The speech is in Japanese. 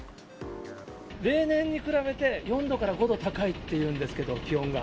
例年に比べて、４度から５度高いっていうんですけど、気温が。